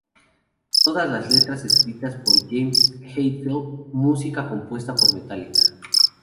Todas las letras están escritas por James Hetfield, música compuesta por Metallica.